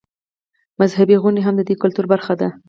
مذهبي غونډې هم د دې کلتور برخه ده.